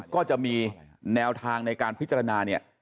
ก็จะมีแนวทางในการพิจารณาเนี่ย